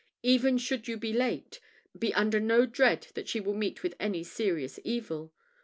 Even should you be too late, be under no dread that she will meet with any serious evil.